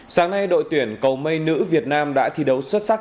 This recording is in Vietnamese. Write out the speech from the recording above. sáng nay đội tuyển cầu mây nữ việt nam đã thi đấu xuất sắc